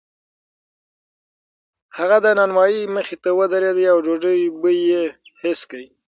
هغه د نانوایۍ مخې ته ودرېد او د ډوډۍ بوی یې حس کړ.